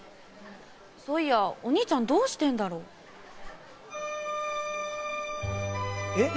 そういやお兄ちゃんどうしてんだろう？えっ！？